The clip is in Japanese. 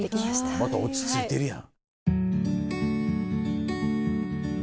また落ち着いてるやん。